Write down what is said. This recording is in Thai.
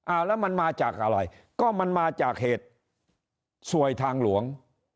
แล้วมันมาจากอะไรก็มันมาจากเหตุสวยทางหลวง